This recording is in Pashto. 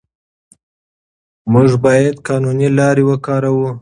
موږ باید قانوني لارې وکاروو.